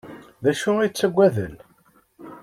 D acu ay ttaggaden?